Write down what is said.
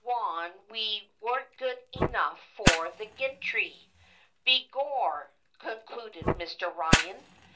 wan we wasn't good enough for the gintry, be gor,' concluded Mi'. Eyan.